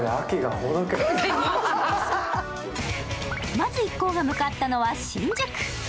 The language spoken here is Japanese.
まず一行が向かったのは新宿。